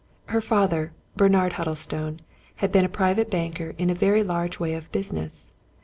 Her father, Bernard Huddlestone, had been a private banker in a very large way of business.